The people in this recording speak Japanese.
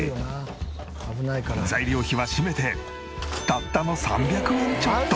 材料費は締めてたったの３００円ちょっと！